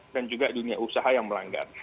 dan juga dunia usaha yang melanggar